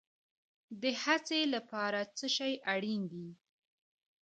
د هڅې لپاره څه شی اړین دی؟